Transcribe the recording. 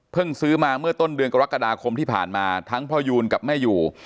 ซื้อมาเมื่อต้นเดือนกรกฎาคมที่ผ่านมาทั้งพ่อยูนกับแม่อยู่